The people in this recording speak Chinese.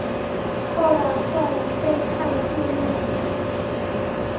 后来霍兰被判入狱两个月。